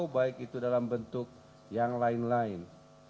baik itu dalam bentuk yang lain lain